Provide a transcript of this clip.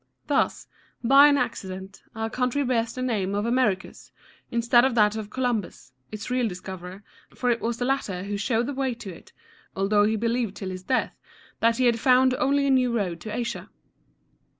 Thus, by an accident, our country bears the name of Americus, instead of that of Columbus, its real discoverer, for it was the latter who showed the way to it, although he believed till his death that he had found only a new road to Asia.